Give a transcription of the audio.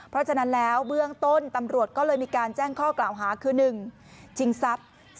เพราะฉะนั้นแล้วเบื้องต้นตำรวจก็เลยมีการแจ้งข้อกล่าวหาคือ๑ชิงทรัพย์